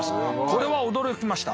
これは驚きました。